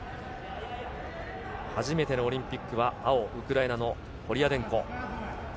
初めてのオリンピックは青、ウクライナのコリアデンコ。